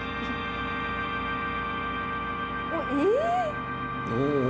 おっええ！